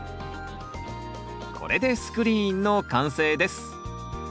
これでスクリーンの完成です